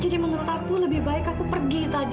jadi menurut aku lebih baik aku pergi tadi